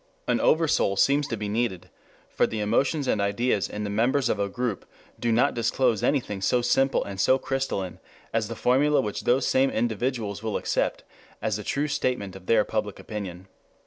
An oversoul seems to be needed, for the emotions and ideas in the members of a group do not disclose anything so simple and so crystalline as the formula which those same individuals will accept as a true statement of their Public Opinion.